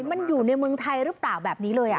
มันอยู่ในเมืองไทยหรือเปล่าแบบนี้เลย